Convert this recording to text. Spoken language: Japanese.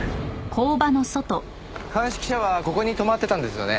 鑑識車はここに止まってたんですよね？